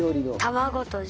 卵とじ。